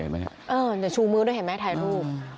ยังชูมือเห็นไหมถ่ายถ้านู่ป